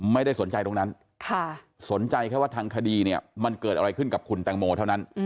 ไม่ได้สนใจตรงนั้นสนใจแค่ว่าทางคดีเนี่ยมันเกิดอะไรขึ้นกับคุณแตงโมเท่านั้น